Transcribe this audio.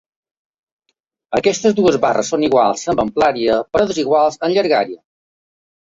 Aquestes dues barres són iguals en amplària, però desiguals en llargària.